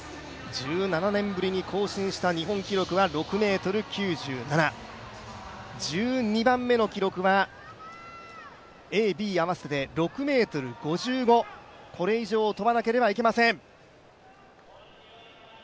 １７年ぶりに更新した日本記録は６ｍ９７、１２番目の記録はＡ、Ｂ合わせて６ｍ５５、これ以上跳ばなければいけません。